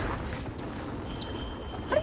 あれ？